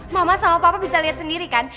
mama sama papa bisa lihat sendiri kan